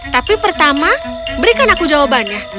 tapi pertama berikan aku jawabannya